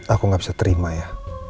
aku gak bisa terima ya